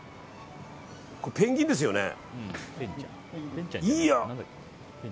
これペンギンですよね？